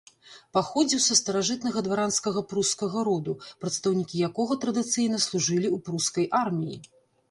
Паходзіў са старажытнага дваранскага прускага роду, прадстаўнікі якога традыцыйна служылі ў прускай арміі.